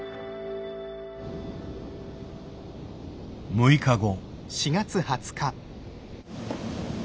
６日後。